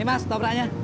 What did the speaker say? ini mas topraknya